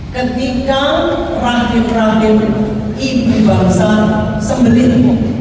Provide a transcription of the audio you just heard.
ketika rahim rahim ibu bangsa sembelir